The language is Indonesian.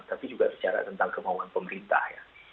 tapi juga bicara tentang kemampuan pemerintah